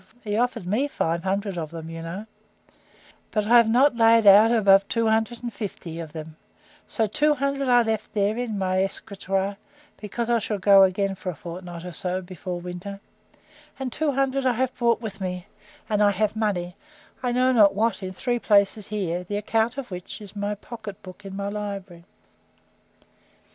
for he offered me five hundred of them, you know:) but I have not laid out above two hundred and fifty of them; so two hundred I left there in my escritoire; because I shall go again for a fortnight or so, before winter; and two hundred I have brought with me: and I have money, I know not what, in three places here, the account of which is in my pocket book, in my library.